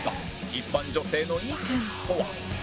一般女性の意見とは？